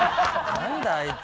何だあいつ。